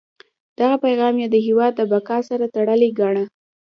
دغه پیغام یې د هیواد د بقا سره تړلی ګاڼه.